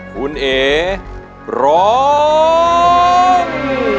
คุณเอ๋ร้อง